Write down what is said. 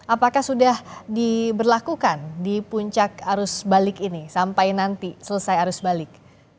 apakah sudah diberlakukan di puncak arus balik ini sampai nanti selesai arus balik